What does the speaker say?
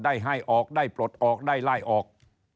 ให้ออกได้ปลดออกได้ไล่ออก